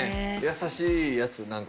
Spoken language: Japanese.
優しいやつ？